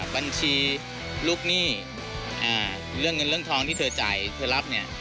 บัญชีลูกหนี้เรื่องเงินเรื่องทองที่เธอจ่ายเธอรับเนี่ย